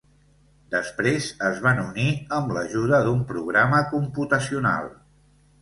Després, es van unir amb l'ajuda d'un programa computacional.